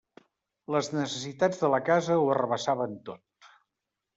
Les necessitats de la casa ho arrabassaven tot.